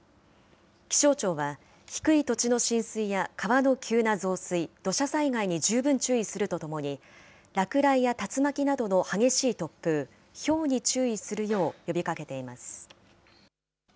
気象庁は低い土地の浸水や川の急な増水、土砂災害に十分注意するとともに、落雷や竜巻などの激しい突風、ひょうに注意するよう呼びかけています。